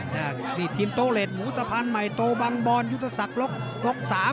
นี่ทีมโตเลสหมูสะพันธ์ใหม่โตบังบอลยุทธศักดิ์ล็อกสาม